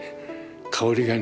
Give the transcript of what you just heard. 香りがね